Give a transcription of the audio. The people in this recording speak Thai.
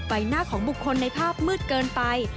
ใบหน้าของบุคคลในภาพมืดเกินไป